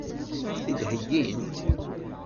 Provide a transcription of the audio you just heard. Ad ɣ-t-id-heggint?